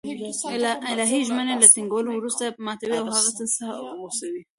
الهي ژمني له ټينگولو وروسته ماتوي او هغه څه غوڅوي